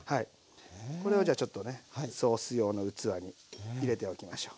これをじゃちょっとねソース用の器に入れておきましょう。